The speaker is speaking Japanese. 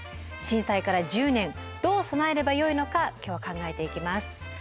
震災から１０年どう備えればよいのか今日は考えていきます。